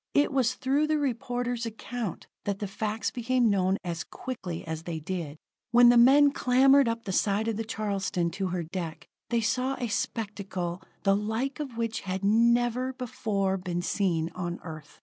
It was through the reporter's account that the facts became known as quickly as they did. When the men clambered up the side of the Charleston to her deck, they saw a spectacle the like of which had never before been seen on Earth.